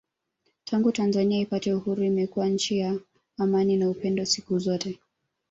Tangu Tanzania ipate Uhuru imekuwa nchi ya amani na upendo siku zote